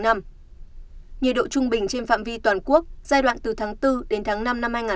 nhiệt độ trung bình trên phạm vi toàn quốc giai đoạn từ tháng bốn năm hai nghìn hai mươi bốn